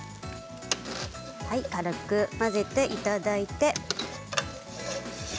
軽く混ぜていただいて。